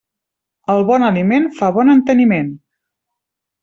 El bon aliment fa bon enteniment.